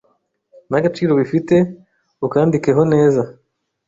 nagaciro bifite ukandikeho neza